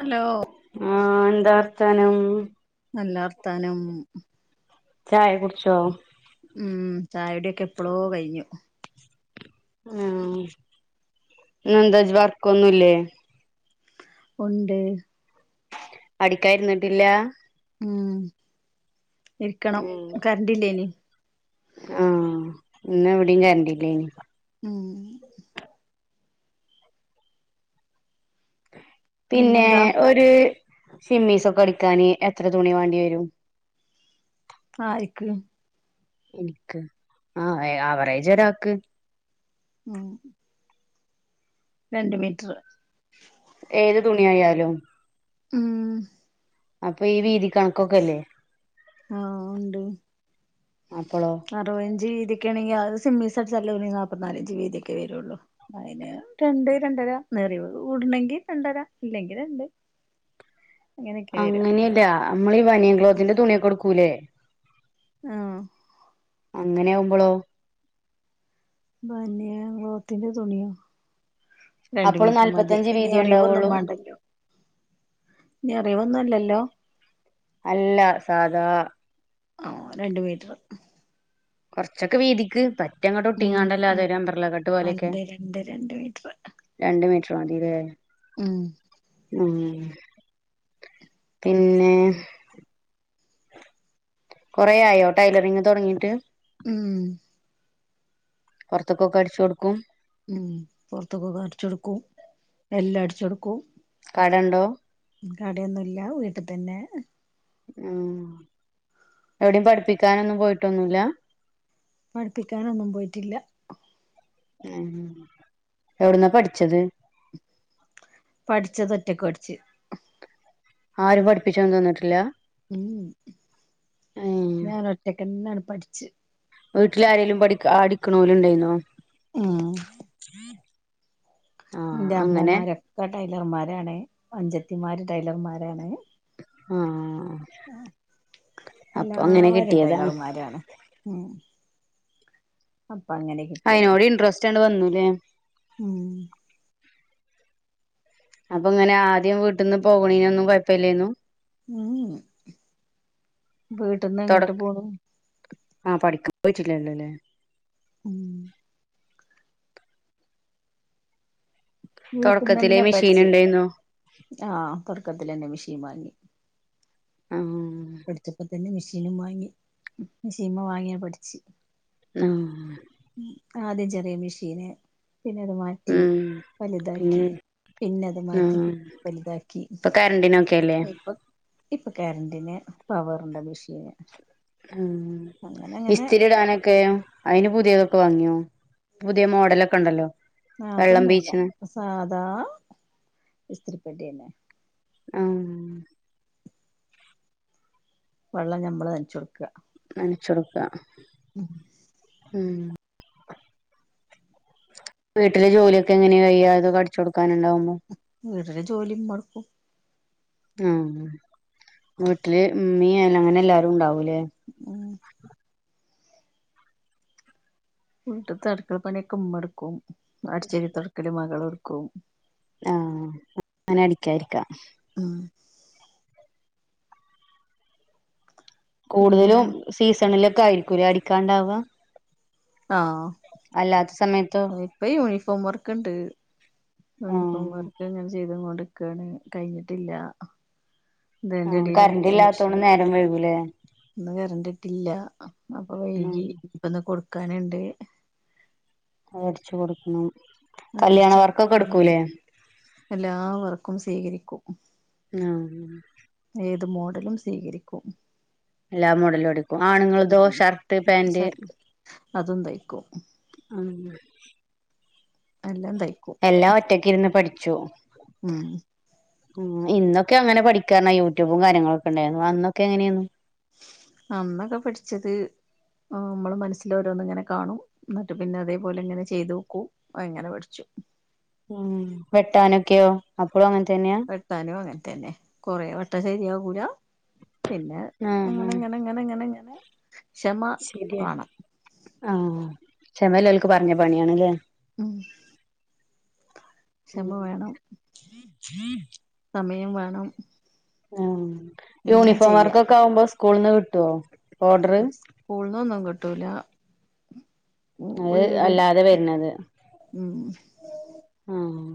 Hello ആഹ് എന്താ വർത്താനം നല്ല വർത്താനം ചായ കുടിച്ചോ ഉം ചായ കുടിയോക്കെ എപ്പളോ കഴിഞ്ഞു ആഹ് ഇന്നന്താ വർക്കൊന്നുംല്ലേ ഒണ്ട് അടിക്കായിരുന്നിട്ടില്ല ഉം എരിക്കണം ഉം കറണ്ട് ഇല്ലേനി ആഹ് ഇന്ന് എവിടെയും കരണ്ടില്ലേനി ഉം പിന്നെ പിന്നെന്താ ഒരു സിമ്മീസ് ഒക്കെ അടക്കാന് എത്ര തുണി വേണ്ടി വരും ആരിക്ക് എനിക്ക് ആഹ് ആവറേജ് ഒരാക്ക് ഉം രണ്ട് മീറ്ററ് ഏത് തുണിയായാലും ഉം അപ്പൊ ഈ വീതി കണക്കൊക്കെല്ലേ ആഹ് ഉണ്ട് അപ്പളോ റഞ്ചിവീതിക്കാണെങ്കി അത് സിമ്മിസടിച്ചാല് ഒരു നാൽപ്പനാലഞ്ച് വീതിയൊക്കെ വരൊള്ളു അയിന് രണ്ട് രണ്ടര നൊറിവ്കൂടണെങ്കി രണ്ടര ഇല്ലെങ്കി രണ്ട് അങ്ങനെയൊക്കെ വരാ അങ്ങനെയല്ല അമ്മള് ഈ ബനിയൻക്ലോത്തിന്റെ തുണിയൊക്കെടുക്കൂല്ലേ ആഹ് അങ്ങനെ ആകുമ്പോളോ ബെന്നിയഗ്ലോത്തിന്റെ തുണിയോ അപ്പോൾ രണ്ട്‌മീറ്റർ മതി നാല്പത്തഞ്ച് എന്നീ വീതിയെ നൊറിവൊന്നും ഉണ്ടാവുള്ളൂ മാണ്ടല്ലോ നൊറിവൊന്നുല്ലല്ലോ അല്ല സാധാ ആഹ് രണ്ട് മീറ്റർ കൊറച്ചൊക്കെ വീതിക്ക് പറ്റങ്ങോട്ട് ഉം ഒട്ടിങ്ങണ്ടല്ലാതെ ഉം ഒരു അമ്പറലക്കട്ട് പോലെയൊക്കെ രണ്ട് രണ്ട് രണ്ട് മീറ്റർ രണ്ട് മീറ്റർ മതീലെ ഉം മ്ഹ് പിന്നെ കൊറെ ആയോ ടൈലറിങ്ങ് തൊടങ്ങിട്ട് മ്മ്ഹ് പൊറത്ത്ക്കൊക്കെ അടിച്ചൊടുക്കും ഉം പൊർത്ത്ക്കൊക്കെ അടിച്ചടുക്കും എല്ലാം അടിചൊടുക്കും കടണ്ടോ കടയൊന്നുല്ല വീട്ട്തന്നെ ഉം എവിടേം പഠിപ്പിക്കാനൊന്നും പോയിട്ടൊന്നുല്ല പഠിപ്പിക്കാനൊന്നും പോയിട്ടില്ല എഹ് എവിടന്നാപഠിച്ചത് പഠിച്ചതൊറ്റക്ക് പഠിച്ച് ആരും പഠിപ്പിചന്നൊന്നിട്ടില്ല ഉം ഞാനൊറ്റക്കനാട് പഠിച്ച് വീട്ടിലാരേലും പഠിക്ക അടിക്കണോല് ഇണ്ടേയിനോ ഉം ഇന്റെ അമ്മോമാരൊക്കെ ടൈലർമാരാണ് അഞ്ചത്തിമാര് ടൈലർമാരാണ് ആഹ് ആഹ് അപ്പൊ അങ്ങനെ എല്ലാരും കിട്ടിയതാണ് ടൈലർമാരാണ് ഉം അപ്പൊ അങ്ങനെ അയിനോട് ഇൻട്രസ്റ്റ്ങ്ങട്ട് വന്നൂലേ മ്മ്ഹ് അപ്പൊ ഇങ്ങനെ ആദ്യം വീട്ടിന്ന് പോവണേനൊന്നും കൊഴപ്പലേനു ഉം വീട്ടിന്ന് എങ്ങട്ട് പോണു ആഹെ പഠിക്ക പോയിട്ടില്ലല്ലോലേ ഉം തൊടക്കത്തിലേ വീട്ടന്നന്നെ മെഷീൻ പഠിചെ ഇണ്ടായിന്നോ ആഹ് തൊടക്കത്തിലന്നെ മെഷീൻവാങ്ങി ആഹ് പഠിച്ചപ്പതന്നെ മിഷീനും വാങ്ങി മിഷീൻമെ വാങ്ങ്യാ പഠ്ച്ച് ആഹ് ഉം ആദ്യം ചെറിയ മിഷീന് പിന്നെ അത് മാറ്റി ഉം പിന്നെ വല്താക്കി പിന്നത് മാറ്റി ആഹ് വല്താക്കി ഇപ്പൊ കരണ്ടിനൊക്കെല്ലേ ഇപ്പം ഇപ്പൊ കരണ്ടിന് പവർന്റെ മിഷീന് ഉം ഇസ്തിരി ഇടാനൊക്കേം അയ്ന് പുത്യേതൊക്കെ വാങ്ങ്യോ പുത്യേ മോഡലൊക്കെണ്ടല്ലോ ആഹ് അതൊന്നുല്ല സാധാ ഇസ്തിരിപ്പെട്ടിയെന്നെ ആഹ് വള്ളം ഞമ്മള് നൻച്ചാെട്ക്ക നൻച്ചാെട്ക്കാ ഉം ഉം വീട്ടിലെ ജോലിയൊക്കെങ്ങെനെയാ കയ്യാ ഇതൊക്കെ അടിച്ചാെട്ക്കാന്ണ്ടാവുമ്പം വീട്ടിലെ ജോലി ഇമ്മട്ക്കും ആഹ് വീട്ട്ല് മ്മീം അ അങ്ങെനെല്ലാരുംണ്ടാവുലേ ഉം വീട്ട്ത്തെ അട്ക്കള പണ്യൊക്കെ മ്മട്ക്കും അടിച്ച് വാരി തൊടക്കല് മകള്ട്ക്കും ആഹ് [unintelligible] നെ അടിക്കാരിക്കാ ആഹ് പിന്നെ കൂട്തലും സീസണിലൊക്കെ ആയിരിക്കുലെ അടിക്കാണ്ടാവ ആഹ് അല്ലാത്ത സമയ ആഹ് ഇപ്പ യൂണിഫോം വർക്ക്ണ്ട് ആ യൂണിഫോം വർക്ക്ങ്ങെനെ ചെയ്ത്ങ്ങോണ്ട് ക്കാണ് കയ്ഞ്ഞിട്ടില്ല ആ ത്‌ന്റെ കറണ്ട് എടീലട്ച്ച ഇല്ലാത്തോണ്ട് മിഷീൻ നേരം വൈകൂലേ ഇന്ന് കരണ്ട്ട്ടില്ലാ അ അപ്പ ആ വൈകി ഇപ്പന്ന് കൊട്ക്കാന്ണ്ട് അത് അട്ച്ചു കൊടുക്കണം അത് കല്യാണ വരച്ച് വർക്കൊക്കെ കൊടുക്കണം ട്ക്കൂലേ എല്ലാ വർക്കും സീകരിക്കും ആഹ് ഏത് മോഡലും സീകരിക്കും എല്ലാ മോഡലും അടിക്കും ആണ്ങ്ങൾതോ ഉം ഷർട്ട് പേന്റ് ഷർട്ട് അതും തയ്ക്കും അതും തയ്ക്കും എല്ലാം തയ്ക്കും എല്ലാം ഒറ്റക്കിര്ന്ന് പഠിച്ചു ഉം ഉം ഇന്നൊക്കെ അങ്ങെനെ പഠിക്കാർഞ്ഞാ യൂട്യൂബും കാര്യങ്ങളൊക്കെണ്ടായ്ര്ന്നു അന്നൊക്കെ എങ്ങെനേന്നു അന്നൊക്കെ പഠിച്ചത് മ്മള് മനസ്സില് ഓരോന്ന്ങ്ങെനെ കാണും ന്നട്ട് പിന്നെ അതേപോലെ ഇങ്ങെനെ ചെയ്തോക്കൂ അങ്ങെനെ പഠിച്ചു ഉം വെട്ടാനൊക്കെയോ അപ്പളും അങ്ങൻ തന്നെയാ വെട്ടാനും അങ്ങൻതന്നെ കൊറേ വട്ടം സെര്യാവൂലാ പിന്നെ ആ ആ അങ്ങെനെങ്ങെനെങ്ങെനെങ്ങെനെങ്ങെനെ ശെര്യാ ആഹ് ക്ഷമല്ലോൽക്ക് പർഞ്ഞ പണ്യാണ്ലേ ഉം ക്ഷമ വേണം സമയം വേണം ആഹ് എന്നാ യൂണിഫോം വർക്കൊക്കെ ആവുമ്പോ സ്കൂള്ന്ന് കിട്ട്വോ ഉസ്കൂൾന്നൊന്നും കിട്ടൂലാ അത് വീട് അല്ലാതെ വരുന്നത് ഉം ആഹ്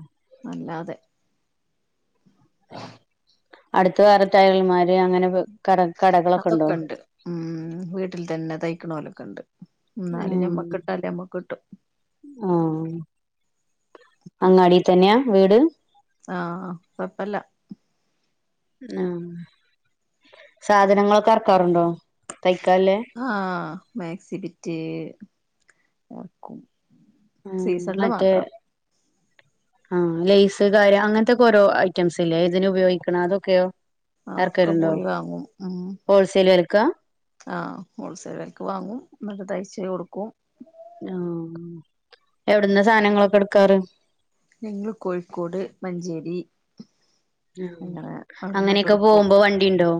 അല്ലാതെ അട്ത്ത് വേറെ ടയൽമാര് അങ്ങെനെ [unintelligible] അതൊക്കെ ഇണ്ട്. ഉം വീട്ടിൽ തന്നെ തയ്ക്കണോലൊക്കെ ഇണ്ട്. ഇന്നാലും ഞമ്മക്ക് ആഹ് കിട്ടാല്ലെ ഞമ്മക്ക് കിട്ടും. ആഹ് അങ്ങാടി തന്നെയാ വീട് ആഹ് കൊഴപ്പല്ല ആഹ് സാധനങ്ങളൊക്കെ എറക്കാറുണ്ടോ. തയ്യ്ക്കാല്ലെ ആഹ് മാക്സി ബിറ്റ് നോക്കും. ആഹ് മറ്റേ ആ ലേയ്സ് കാര്യം അങ്ങൻത്തൊക്കെ ഓരോ ഐറ്റംസ് ഇല്ലേ ഇതിന് ഉപയോഗിക്ക്ണ അതൊക്കെയോ അതൊക്കെ എറ്ക്കലുണ്ടോ പോയി വാങ്ങും ഉം ഹോൾസെയിൽ വെലക്കാ ആഹ് ഹോൾസെയിൽ വെലക്ക് വാങ്ങും. ഇന്നട്ട് തയ്ച്ച് കൊടുക്കും. ആഹ് എവിടന്ന സാധനങ്ങളൊക്കെ എടുക്കാറ്? ഞങ്ങൾ കോഴിക്കോട് മഞ്ചേരി. അങ്ങനെ അങ്ങനെയൊക്കെ അവിട്ന്നൊക്കെടുക്കും. പോകുമ്പോ വണ്ടിണ്ടോ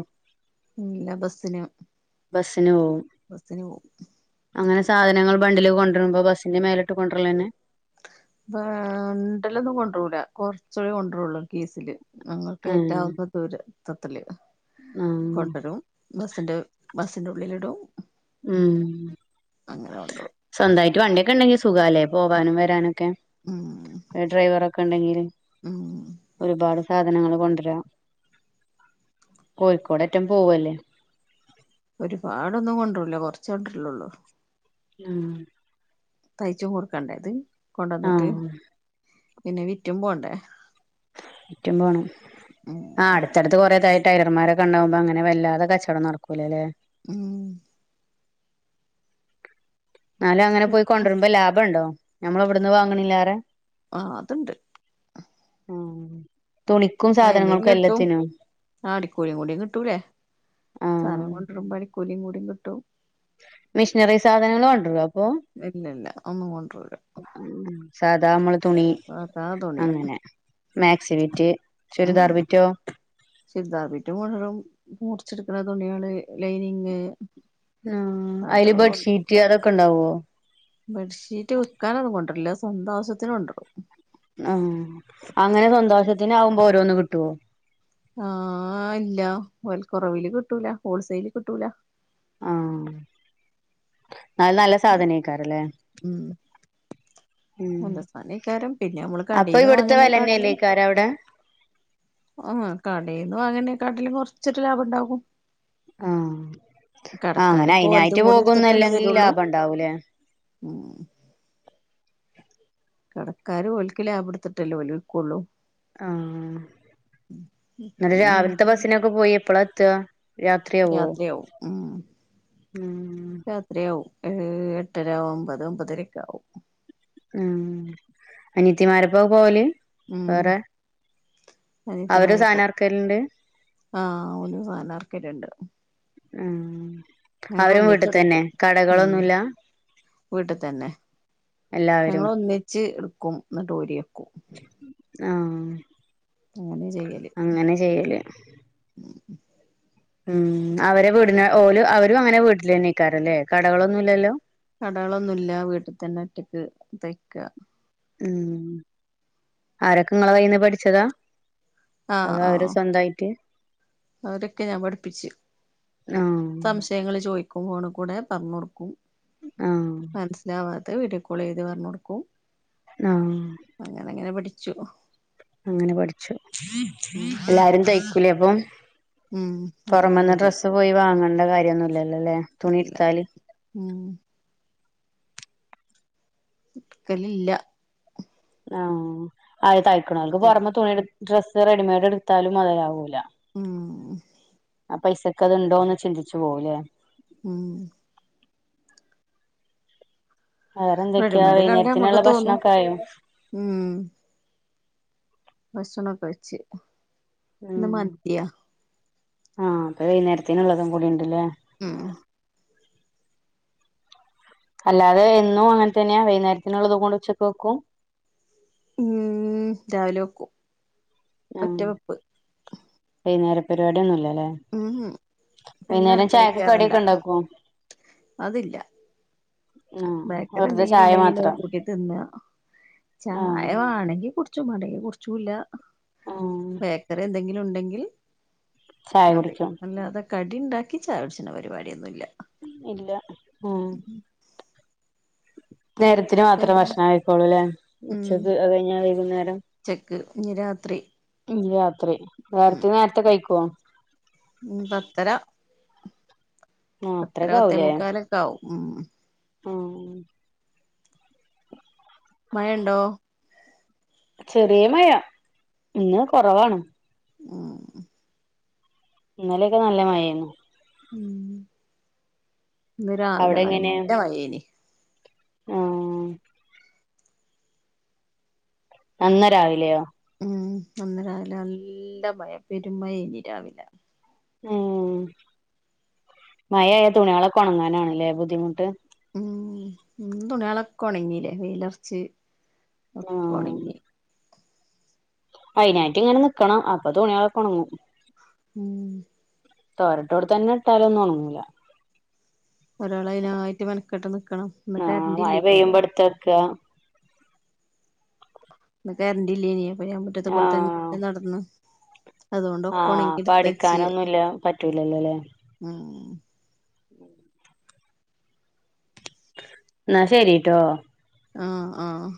ഇല്ല ബസിന ബസ്സിന് പോവും ബസിന് പോവും. അങ്ങനെ സാധനങ്ങൾ ബണ്ടിൽ കൊണ്ട്രുമ്പോ ബസിന്റെ മേലെട്ട് കൊണ്ട്ര്ലെന്നെ? ബാണ്ടിലൊന്നും കൊണ്ട്രൂല കൊറചെ കൊണ്ട്രൊള്ളു കിസില്. ഞങ്ങൾക്ക് ഏഹ് ഏറ്റാവുന്ന ദൂരത്തത്തില് ആഹ് കൊണ്ടരും. ബസ്സിന്റെ ബസിന്റെ ഉള്ളിലിടും. ഉം അങ്ങനെ കൊണ്ടോവും സ്വന്തായിട്ട് വണ്ടിയൊക്കെ ഇണ്ടെങ്കി സുഖാലേ പോവാനും വരാനൊക്കെ? ഉം ഡ്രൈവറെക്കെ ഇണ്ടെങ്കില്. ഉം ഒരുപാട് സാധനങ്ങൾ കൊണ്ടരാ കോഴിക്കോടെറ്റം പോവല്ലേ? ഒരുപാടൊന്നും കൊണ്ടരുല്ല കൊറ്ച്ച് കൊണ്ടര്ലൊള്ളൂ. ഉം തയ്ച്ചും കൊട്ക്കണ്ടേ ഇത്. കൊണ്ടന്നിട്ട്. ആഹ് പിന്നെ വിറ്റും പോണ്ടേ? വിറ്റും പോണം ഉം ആഹ് ആട്. ത്തട്ത് കൊറേ ടൈലർമാരൊക്കെ ഇണ്ടാക്മ്പോ അങ്ങനെ വല്ലാതെ കച്ചോടം നടക്കൂല്ല ല്ലേ? ഉം ഇന്നാലും അങ്ങനെ പോയി കൊണ്ട രുമ്പോ ലാഭ ഇണ്ടോ. ഞമ്മളെ ഇവിടന്ന് വാങ്ങ്ണില്ലാറെ? ആഹ് അതുണ്ട് ഉം തുണിക്കും സാധനങ്ങൾക്കും എല്ലത്തിനും. ആ അടിക്കൂലിയും കൂടിയും കിട്ടൂലേ. സാധനം ആഹ് കൊണ്ടരുമ്പോ അടിക്കൂലിയും കൂടിം കിട്ടും. മിഷിനറി സാധനങ്ങള് കൊണ്ട രോ അപ്പൊ? ഇല്ലല്ല ഒന്നും കൊണ്ടരൂല ഉം സാദാ അമള്. തുണി അതാ തുണി അങ്ങനെ മാക്സി ബിറ്റ് ഉം ചുരിദാർ ബിറ്റോ? ചുരിദാർ ബിറ്റും കൊണ്ടരും മുറിച്ചെടുക്കുന്ന തുണിയേള് ലൈനിങ്. ആഹ് അത് അയില് ബെഡ്ഷീറ്റ് അതൊക്കെ ഇണ്ടാവോ? ബെഡ്ഷീറ്റ് വിക്കാനൊന്നും കൊണ്ടര്ല്ല. സ്വന്തം ആവശ്യത്തിന് കൊണ്ട്രും. അം അങ്ങനെ സ്വന്തം ആവശ്യത്തിന് ആകുമ്പോ ഓരോന്ന് കിട്ടോ? ആഹ് ഇല്ല വെല കൊറവില് കിട്ടൂല ഹോൾസെയില് കിട്ടൂല. ആഹ് ഇന്നാലും നല്ല സാധനേക്കാരെലേ? ഉം ഉം നല്ല സാനേക്കാരം പിന്നെ നമ്മള് അപ്പെ കടേന്ന് ഇവിട്ത്തെ വാങ്ങുന്നേക്കാട്ടിലും വെലന്നെല്ലേക്കാ രം അവടെ? ആ കടേന്ന് വാങ്ങ്ണേകാട്ടിലും കൊറച്ചൊരു ലാഭം ഇണ്ടാവും. ആ ആ അങ്ങനെ കടക്കാരിപ്പോ ഓല്തും അയിനായിട്ട് കൂടി ഇടുത്തിട്ടല്ലേ പോകുന്നല്ലെങ്കി തരൊള്ളൂ. ലാഭം ഉണ്ടാവൂലേ ഉം കടക്കാര് ഓല്‌ക്ക് ലാഭ ഇടുത്തിട്ടല്ലേ ഓല് വിക്കൊള്ളൂ? ആഹ് ഇന്നലെ പിന്നെ രാവില്ത്തെ നമ്മക്ക് ബസിനൊക്കെ പോയി എപ്പളാ എത്ത? രാത്രിയാവും ഉം ഉം എട്ടരാവും ഏ് എട്ടര ഒമ്പത് ഒമ്പതരെക്കെ ആകും. ഉം അനിയത്തിമാരപ്പ പോവല്? ഉം വേറെ അവര് അനിയത്തിമാര സാധനം ഇപ്പം. ഇറക്കലുണ്ട് ആഹ് ഓല് സാധനം ഇറക്കിട്ടുണ്ട് ഉം അവരും വീട്ടിൽ തന്നെ ഒന്നിച്ചെടുക്കും ഉം കടകളൊന്നുല്ല. വീട്ടി തന്നെ എല്ലാവരും ഞങ്ങൾ ഒന്നിച്ച് എടുക്കും ഇന്നിട്ടോരി വെക്കും ആഹ് അങ്ങനെ ചെയ്യല്. അങ്ങനെ ചെയ്യല് [unintelligible] ഉം അവരെ വീടിന ഓല് അവരും അങ്ങനെ വീട്ടിലെന്നേ കാരും ലെ കടകളൊന്നുംല്ലല്ലോ? കടകളൊന്നുംല്ല വീട്ടിൽ തന്നറ്റക്ക് തയ്ക്ക ഉം ആരൊക്കെ നിങ്ങളെ കൈയിന്ന് പഠിച്ചതാ ആഹ് അത അവര് ആഹ് സ്വന്തായിട്ട് അവരൊക്കെ ഞാൻ പഠിപ്പിച്ച് ആഹ് സംശയങ്ങള് ചോയിക്കും ഫോണിക്കൂടെ പർഞ്ഞൊടുക്കും ആഹ് മനസ്സിലാവാത്തെ വീഡിയോ കോൾ ചെയ്ത്പറഞ്ഞ് കൊടുക്കും ആഹ് അങ്ങനങ്ങനെ പഠിച്ചു അങ്ങനെ പഠിച്ചു ഉം എല്ലാരും തയ്ക്കൂലേ അപ്പം ഉം അല്ലാതെ പുറമന്ന് ഡ്രസ്സ് വിജയിക്കും പോയി വാങ്ങണ്ട കാര്യന്നുല്ലല്ലോലേ ഇല്ല തുണിട്ത്താല് ഉം ക്കലില്ല ആഹ് അയ് തയ്ക്ണോൽക്ക് തോനെ പുറമെ തുണി എടു ഡ്രസ്സ് റെഡിമെഡ് എടുത്താലും മൊതലാവൂല ഉം ആ പൈസക്കത്ണ്ടോന്ന് ചിന്തിച്ചു പോകൂലേ ഉം വേറെന്തൊക്കെയാ റെഡിമെയ്ഡ് കണ്ട നമ്മക്ക് വൈകുന്നേരത്തിന്ള്ള ഭക്ഷണം തോന്നും ഒക്കെ ആയോ ഉം ഭക്ഷണോക്കഴിച്ച് ഉം ആഹ് അത് വൈകുന്നേരത്ത്ന്ള്ളതും കൂടിണ്ട്ല്ലെ ഉം അല്ലാതെ എന്നും അങ്ങനെ തന്നെയാ വൈന്നേരത്തിനുള്ളതും കൂടെ ഉച്ചക്ക് വെക്കും ഉം രാവിലെ വെക്കും ആഹ് ഒറ്റ വെപ്പ് വൈന്നേര പരിവാടിയൊന്നുല്ലലേ ഊഹും പിന്നെ അടക്കളീ കേറണ്ട കടിയൊക്കെ ഉണ്ടാക്കുവോ അതില്ല ആഹ് ബേക്കറി വെറുതെ എന്തെങ്കിലും ചായ ഉണ്ടെങ്കിലൊ മാത്രം കൂട്ടി തിന്ന ചായ ആഹ് വാണെങ്കി കുടി ച്ചു മടങ്കി കുട്ച്ചൂല്ല ആഹ് ബേക്കറി എന്തെങ്കിലും ഉണ്ടെങ്കിൽ ചായ അതെ കുടിക്കും അല്ലാതെ കടിണ്ടാക്കി ചയൊട്ച്ണ പരിപാടിയൊന്നുല്ല ഇല്ല ആഹ് നേരത്തിന് മാത്ര പിന്നെ ഭക്ഷണം കഴിക്കോള്ളൂല്ലേ ഉച്ചക്ക് അത് കഴിഞ്ഞാ വൈകുന്നേരം ച്ചെക്ക് ഞ പിന്നെ രാത്രി ഉം നേരത്തിന് നേരത്തെ കഴിക്കോ ഉം പത്തര ആഹ് പത്തര അത്രയൊക്കെ പത്തേമുക്കാലൊക്കെ ആവും ഉം ഉം മയണ്ടോ ചെറിയ മഴ ഇന്ന് കൊറവാണ് ഉം ഇന്നലെക്കെ നല്ല മഴേന്നു ഉം ഇന്ന് രാവിലെ അവിടെ എങ്ങനെ നല്ല മയേനി ആഹ് അന്ന രാവിലെയോ ഉം ഇന്ന് രാവിലെ നല്ല മയ പെരും മയേനി രാവിലെ ഉം മഴായാ തുണികളൊക്കെ ഉണങ്ങാനാണല്ലേ ബുദ്ധിമുട്ട് ഉം തുണികളൊക്കെ ഉണങ്ങില്ലേ വയിലൊറച്ച് ഒക്കെ ആഹ് ഉണങ്ങി അയ്നായിട്ടിങ്ങനെ നിക്കണം അപ്പൊ തുണിയോളൊക്കെയുണങ്ങും ഉം തോരട്ടോട്തന്നെ ഇട്ടാലൊന്നും ഒണങ്ങൂല ഒരാളയിനായിട്ട് മെനക്കെട്ട് നിക്കണം ഇന്ന് കരണ്ടില്ലേഞ്ഞാലോ തേക്കുക ഇന്ന് കരണ്ടില്ലേനി അപ്പൊ ഞാൻ മുറ്റത് കൂടെ ആഹ് തന്നെ നടന്ന് അതുകൊണ്ട് ആഹ് ഒക്കെയൊണങ്ങി അപ്പൊ എടുത്തു വെച്ചല് അടിക്കാനൊന്നുംല്ല ഉം ഉം എന്നാ ശെരീട്ടോ ആഹ് ആഹ്